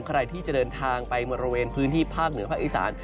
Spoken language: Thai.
ใครที่จะเดินทางไปบริเวณพื้นที่ภาคเหนือภาคอีสาน